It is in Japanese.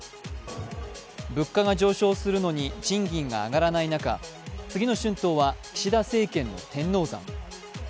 物価が上昇するのに賃金が上がらない中次の春闘は岸田政権の天王山。